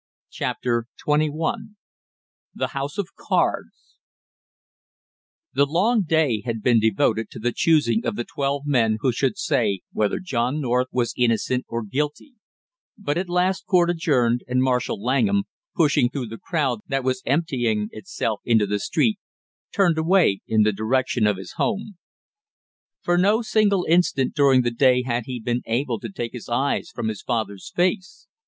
CHAPTER TWENTY ONE THE HOUSE OF CARDS The long day had been devoted to the choosing of the twelve men who should say whether John North was innocent or guilty, but at last court adjourned and Marshall Langham, pushing through the crowd that was emptying itself into the street, turned away in the direction of his home. For no single instant during the day had he been able to take his eyes from his father's face.